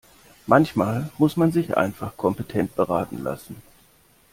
Manchmal muss man sich einfach kompetent beraten lassen.